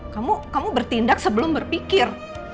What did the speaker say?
kamu bertindak sebelum berpikir